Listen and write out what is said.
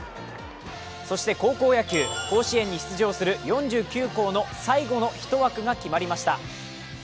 そして高校野球、甲子園に出場する４９校の最後の１枠が決まりました。